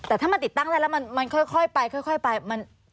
แต่ถ้ามันติดตั้งแล้วมันค่อยไป